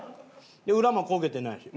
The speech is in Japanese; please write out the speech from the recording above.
裏も焦げてないし。